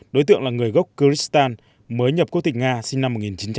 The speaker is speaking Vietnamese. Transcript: đối tượng là người gốc kyrgyzstan mới nhập quốc tịch nga sinh năm một nghìn chín trăm chín mươi năm